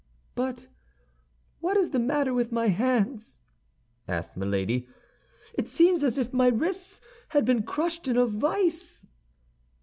"But what is the matter with my hands!" asked Milady; "it seems as if my wrists had been crushed in a vice."